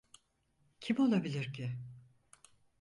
Kim olabilir ki?